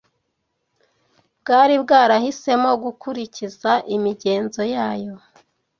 bwari bwarahisemo gukurikiza imigenzo yayo.